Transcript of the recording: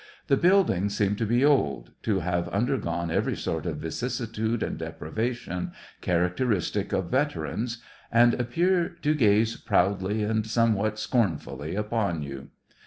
The buildings seem to be old, to have undergone every sort of vicissitude and deprivation characteristic of vet erans, and appear to gaze proudly and somewhat scornfully upon you.